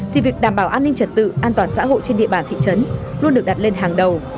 thì việc đảm bảo an ninh trật tự an toàn xã hội trên địa bàn thị trấn luôn được đặt lên hàng đầu